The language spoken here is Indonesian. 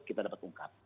kita dapat ungkap